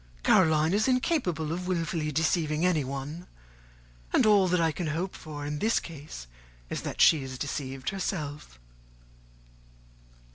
Caroline is incapable of wilfully deceiving anyone; and all that I can hope in this case is, that she is deceived herself."